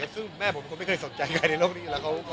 ซึ่งแม่ผมก็ไม่เคยสนใจใครในโลกนี้